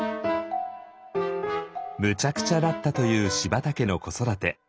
むちゃくちゃだったという柴田家の子育て。